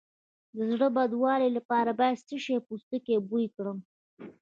د زړه بدوالي لپاره باید د څه شي پوستکی بوی کړم؟